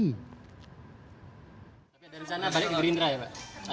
ada rencana balik ke gerindra ya pak